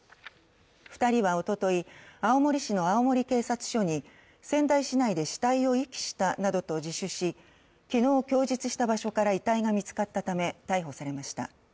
２人はおととい、青森市の青森警察署に仙台市内で死体を遺棄したなどと自首し、昨日供述した場所から遺体が見つかったため逮捕されました。